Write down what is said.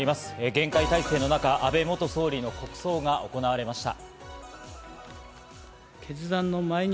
厳戒態勢の中、安倍元総理の国葬が行われました。